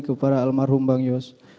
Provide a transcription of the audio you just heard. kepada almarhum bang yus